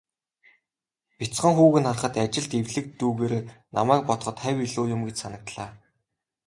Бяцхан хүүг нь харахад, ажилд эвлэг дүйгээрээ намайг бодоход хавь илүү юм гэж санагдлаа.